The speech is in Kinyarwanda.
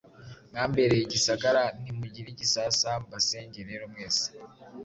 Mwambereye igisagara Ntimugira igisasa Mbasenge rero mwese.